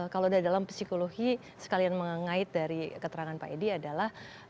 kalau dalam psikologi sekalian mengait dari keterangan pak edi adalah